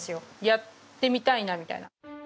やってみたいなみたいな。